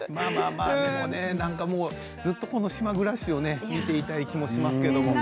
なかなかね、まあまあでもねずっとこの島暮らしを見てみたい気もしますけど。